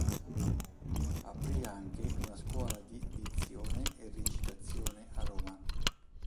Aprì anche una scuola di dizione e recitazione a Roma.